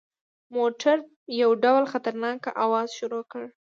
موټر یو ډول خطرناک اواز شروع کړ.